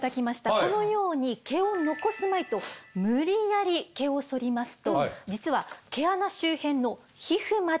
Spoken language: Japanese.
このように毛を残すまいと無理やり毛をそりますと実は毛穴周辺の皮膚まで傷つけてしまうんです。